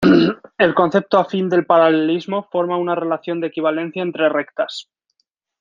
El concepto afín del paralelismo forma una relación de equivalencia entre rectas.